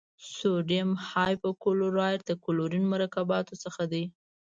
سوډیم هایپو کلورایټ د کلورین مرکباتو څخه دی.